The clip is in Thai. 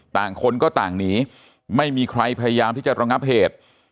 ต่างคนก็ต่างหนีไม่มีใครพยายามที่จะระงับเหตุ